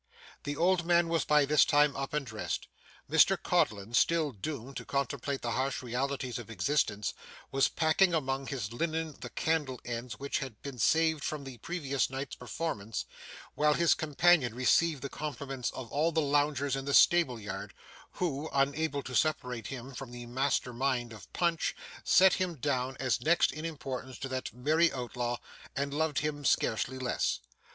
The old man was by this time up and dressed. Mr Codlin, still doomed to contemplate the harsh realities of existence, was packing among his linen the candle ends which had been saved from the previous night's performance; while his companion received the compliments of all the loungers in the stable yard, who, unable to separate him from the master mind of Punch, set him down as next in importance to that merry outlaw, and loved him scarcely less.